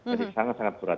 jadi sangat sangat berat